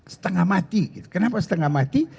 setengah mati gitu kenapa setengah mati